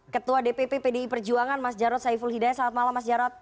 ketua dpp pdi perjuangan mas jarod saiful hidayat selamat malam mas jarod